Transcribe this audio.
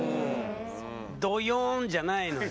どよんじゃないのよ。